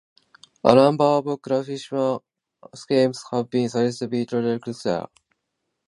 A number of classification schemes have been suggested for semantic change.